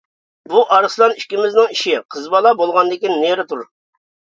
بۇ ئارسلان ئىككىمىزنىڭ ئىشى قىز بالا بولغاندىكىن نېرى تۇر!